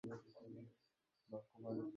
আমি সেখানে খুব টেনশনে ছিলাম!